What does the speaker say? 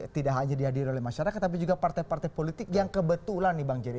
tidak hanya dihadiri oleh masyarakat tapi juga partai partai politik yang kebetulan nih bang jerry